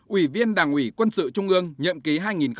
ủy viên đảng ủy quân sự trung ương nhậm ký hai nghìn năm hai nghìn một mươi